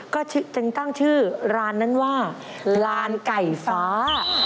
ก็จึงตั้งชื่อร้านนั้นว่าลานไก่ฟ้า